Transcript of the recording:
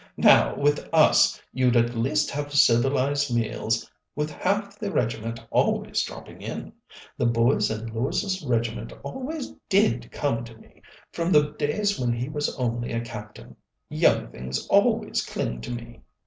Now, with us, you'd at least have civilized meals, with half the regiment always dropping in. The boys in Lewis's regiment always did come to me, from the days when he was only a Captain young things always cling to me."